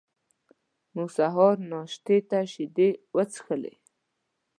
موږ سهار ناشتې ته شیدې څښلې.